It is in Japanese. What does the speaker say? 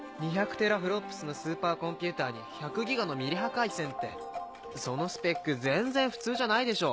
テラフロップスのスーパーコンピューターに１００ギガのミリ波回線ってそのスペック全然普通じゃないでしょ。